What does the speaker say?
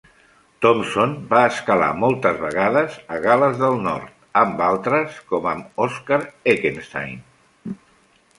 Thomson va escalar moltes vegades a Gal·les del Nord amb altres com amb Oscar Eckenstein.